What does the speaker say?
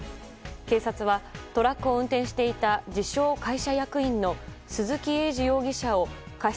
警察はトラックを運転していた自称会社役員の鈴木栄司容疑者を過失